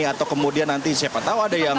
atau kemudian nanti siapa tahu ada yang